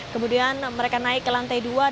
kemudian mereka naik ke lantai dua